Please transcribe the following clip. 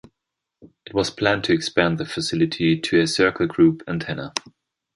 It was planned to expand the facility to a circle group antenna.